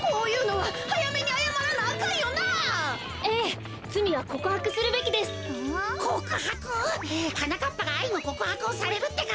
はなかっぱがあいのこくはくをされるってか？